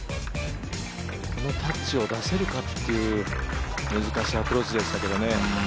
このタッチを出せるかっていう難しいアプローチでしたけどね。